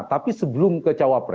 tapi sebelum kecil